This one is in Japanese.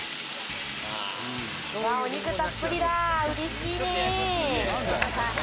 お肉たっぷりだ、嬉しいね。